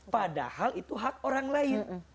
padahal itu hak orang lain